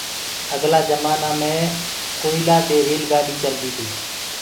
اگلآ جمآنآ مي گوئِيلآ دي ريل گآڏي چلدي تي۔